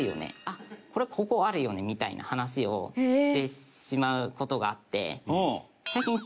「あっこれここあるよね」みたいな話をしてしまう事があって。